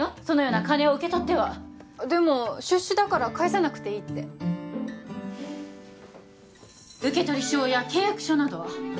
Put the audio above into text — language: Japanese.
そのような金を受け取ってはでも出資だから返さなくていいって受取証や契約書などは？